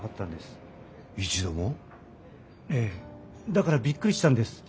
だからびっくりしたんです。